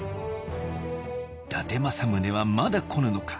「伊達政宗はまだ来ぬのか。